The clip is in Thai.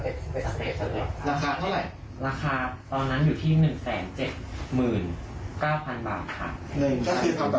ขอเปิดตอนศัลยกรรมหน้าให้ดูหน่อยหน้าไม่มีปัญหานะ